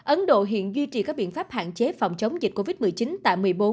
ấn độ hiện duy trì các biện pháp hạn chế phòng chống dịch covid một mươi chín tại một mươi bốn